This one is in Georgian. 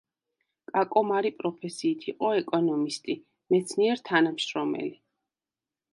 კაკო მარი პროფესიით იყო ეკონომისტი, მეცნიერ-თანამშრომელი.